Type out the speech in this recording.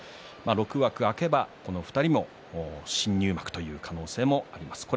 ６枠空けばこの２人も新入幕という可能性もあります。